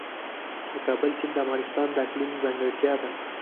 د کابل سیند د افغانستان د اقلیم ځانګړتیا ده.